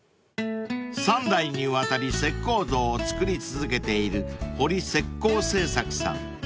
［３代にわたり石こう像を作り続けている堀石膏制作さん］